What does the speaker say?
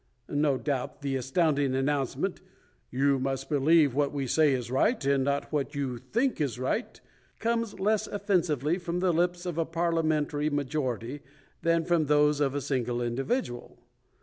No doubt the astounding announcement — "You must believe what we say is right, and not what you think is right," comes less offensively from the lips of a parliamentary majority than from those of a single individual.